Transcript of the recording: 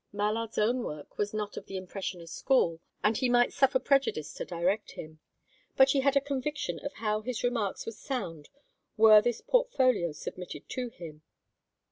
Mallard's own work was not of the impressionist school, and he might suffer prejudice to direct him; but she had a conviction of how his remarks would sound were this portfolio submitted to him.